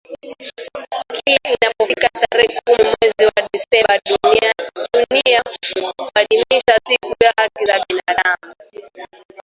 kila inapofika tarehe kumi mwezi desemba dunia huadhimisha siku ya haki za binadamu